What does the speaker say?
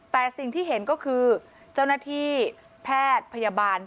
แต่สิ่งที่เห็นก็คือเจ้าหน้าที่แพทย์พยาบาล